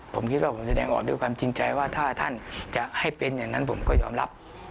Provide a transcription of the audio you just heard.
ผมคิดว่าผมแสดงออกด้วยความจริงใจว่าถ้าท่านจะให้เป็นอย่างนั้นผมก็ยอมรับ